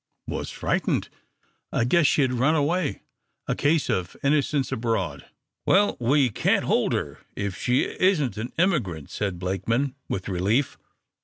"Was frightened I guess she'd run away a case of innocence abroad." "Well, we can't hold her if she isn't an immigrant," said Blakeman, with relief.